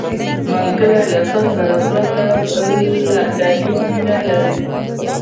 ملګری له تا سره پرته له دلیل مینه لري